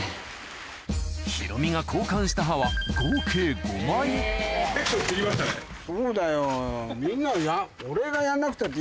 ヒロミが交換した刃は合計５枚そうだよ。